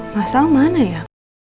masalah mana ya